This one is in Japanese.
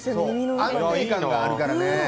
安定感があるからね。